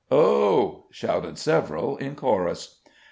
"Oh!" shouted several in chorus.